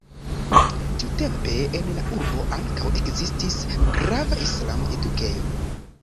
Tiutempe en la urbo ankaŭ ekzistis grava islama edukejo.